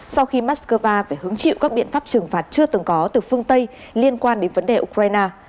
sau khi moscow phải hứng chịu các biện pháp trừng phạt chưa từng có từ phương tây liên quan đến vấn đề ukraine